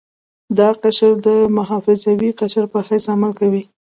دا قشر د محافظوي قشر په حیث عمل کوي.